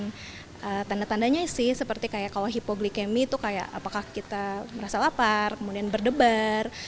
dan tanda tandanya sih seperti kalau hipoglikemi itu apakah kita merasa lapar berdebar